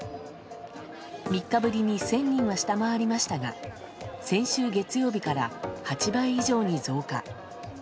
３日ぶりに１０００人は下回りましたが先週月曜日から８倍以上に増加。